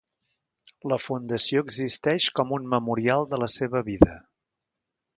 La fundació existeix com un memorial de la seva vida.